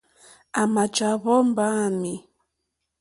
À mà jàwó mbáǃámì.